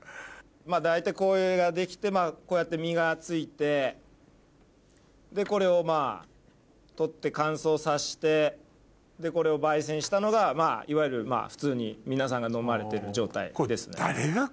大体これが出来てこうやって実がついてこれを取って乾燥させてこれを焙煎したのがいわゆる普通に皆さんが飲まれてる状態。